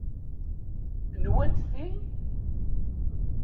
Nwent ti?